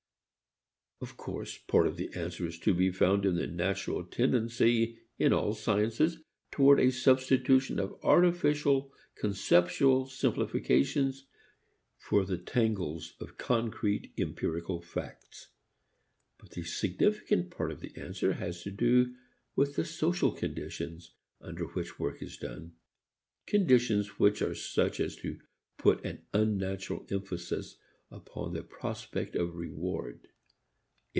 Of course part of the answer is to be found in the natural tendency in all sciences toward a substitution of artificial conceptual simplifications for the tangles of concrete empirical facts. But the significant part of the answer has to do with the social conditions under which work is done, conditions which are such as to put an unnatural emphasis upon the prospect of reward.